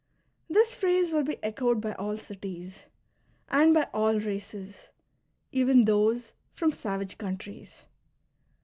This phrase will be echoed by all cities, and by all races, even those from savage countries.